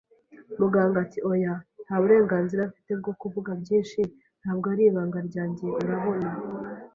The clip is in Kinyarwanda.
Muganga ati: "Oya"; “Nta burenganzira mfite bwo kuvuga byinshi; ntabwo ari ibanga ryanjye, urabona,